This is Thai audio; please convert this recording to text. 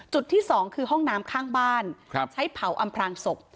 จุดที่สองคือห้องน้ำข้างบ้านใช้เผาอำพลางศพ